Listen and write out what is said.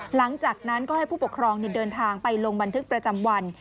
หลังจากนั้นก็ให้ผู้ปกครองเดินทางไปลงบันทึกประจำวัน